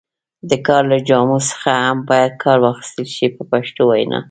د کار له جامو څخه هم باید کار واخیستل شي په پښتو وینا.